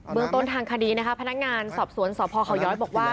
เมืองต้นทางคดีนะคะพนักงานสอบสวนสพเขาย้อยบอกว่า